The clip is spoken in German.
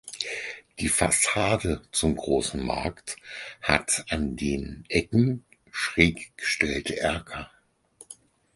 Die Fassade zum "Großen Markt" hat an den Ecken schräg gestellte Erker.